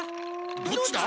どっちだ？